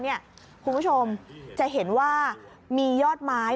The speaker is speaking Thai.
คุณผู้ชมจะเห็นว่ามียอดไม้